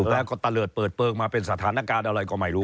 แล้วก็ตะเลิศเปิดเปลืองมาเป็นสถานการณ์อะไรก็ไม่รู้